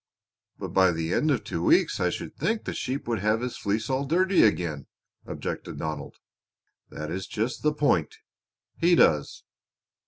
"But by the end of two weeks I should think the sheep would have his fleece all dirty again," objected Donald. "That is just the point he does."